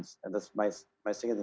faktanya kita bisa membuat pergerakan